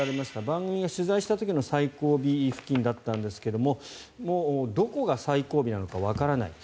番組が取材した時の最後尾付近だったんですがどこが最後尾なのかわからない。